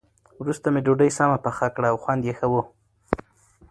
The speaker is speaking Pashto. وروسته مې ډوډۍ سمه پخه کړه او خوند یې ښه و.